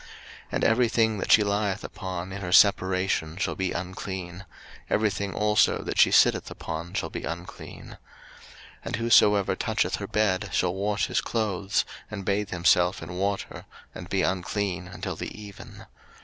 03:015:020 And every thing that she lieth upon in her separation shall be unclean: every thing also that she sitteth upon shall be unclean. 03:015:021 And whosoever toucheth her bed shall wash his clothes, and bathe himself in water, and be unclean until the even.